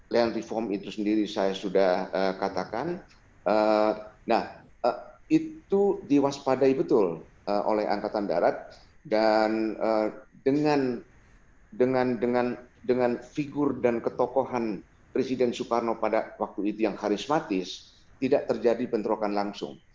land reform itu sendiri saya sudah katakan nah itu diwaspadai betul oleh angkatan darat dan dengan figur dan ketokohan presiden soekarno pada waktu itu yang karismatis tidak terjadi bentrokan langsung